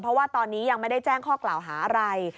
เพราะว่าตอนนี้ยังไม่ได้แจ้งข้อกล่าวหาอะไร